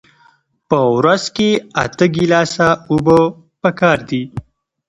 په ورځ کې اته ګیلاسه اوبه پکار دي